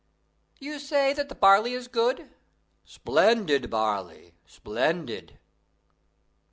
"You say that the barley is good?" "Splendid barley, splendid!"